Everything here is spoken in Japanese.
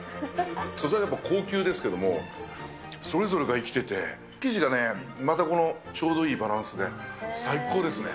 素材がやっぱ高級ですけども、それぞれが生きてて、生地がね、またこのちょうどいいバランスで、最高ですね。